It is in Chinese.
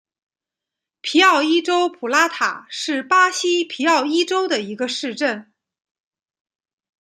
皮奥伊州普拉塔是巴西皮奥伊州的一个市镇。